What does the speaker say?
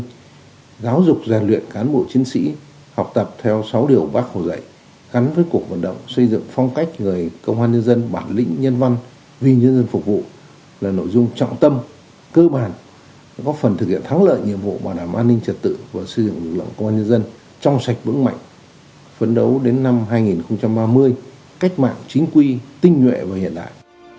nhân dân giáo dục và luyện cán bộ chiến sĩ học tập theo sáu điều bác hồ dạy gắn với cuộc vận động xây dựng phong cách người công an nhân dân bản lĩnh nhân văn viên nhân dân phục vụ là nội dung trọng tâm cơ bản có phần thực hiện thắng lợi nhiệm vụ bảo đảm an ninh trật tự và xây dựng lực lượng công an nhân dân trong sạch bững mạnh phấn đấu đến năm hai nghìn ba mươi cách mạng chính quy tinh nhuệ và hiện đại